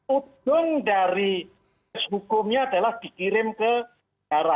ujung dari hukumnya adalah dikirim ke negara